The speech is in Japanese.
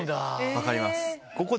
分かります。